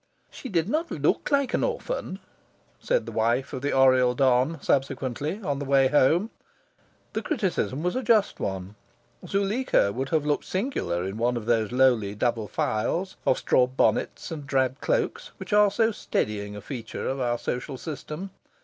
"She did not look like an orphan," said the wife of the Oriel don, subsequently, on the way home. The criticism was a just one. Zuleika would have looked singular in one of those lowly double files of straw bonnets and drab cloaks which are so steadying a feature of our social system.